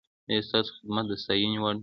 ایا ستاسو خدمت د ستاینې وړ دی؟